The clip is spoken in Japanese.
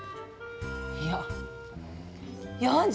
いや４０。